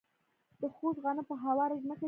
د خوست غنم په هواره ځمکه کیږي.